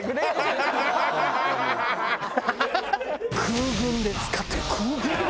「空軍で使ってる」。